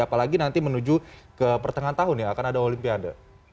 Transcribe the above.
apalagi nanti menuju ke pertengahan tahun ya akan ada olimpiade